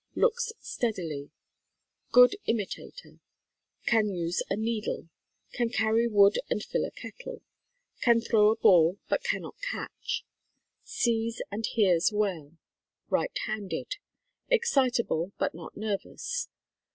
Looks steadily. Good imitator. Can use a needle. Can carry wood and fill a kettle. Can throw a ball, but cannot catch. Sees and hears well. Right handed. Excitable but not nervous.